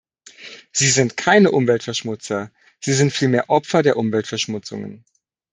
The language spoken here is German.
Sie sind keine Umweltverschmutzer, sie sind vielmehr Opfer der Umweltverschmutzungen.